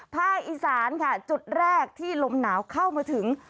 อีสานค่ะจุดแรกที่ลมหนาวเข้ามาถึง